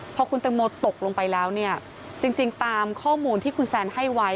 พอคุณตังโมตกลงไปแล้วเนี่ยจริงตามข้อมูลที่คุณแซนให้ไว้